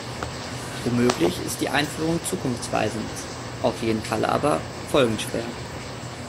Womöglich ist die Einführung zukunftsweisend, auf jeden Fall aber folgenschwer.